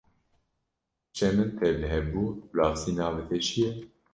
Hişê min tevlihev bû, bi rastî navê te çi ye?